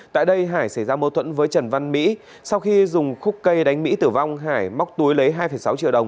tại đây hải xảy ra mâu thuẫn với trần văn mỹ sau khi dùng khúc cây đánh mỹ tử vong hải móc túi lấy hai sáu triệu đồng